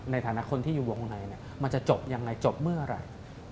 ในฐานะคนที่อยู่วงในมันจะจบยังไงจบเมื่อไหร่